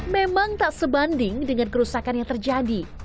memang tak sebanding dengan kerusakan yang terjadi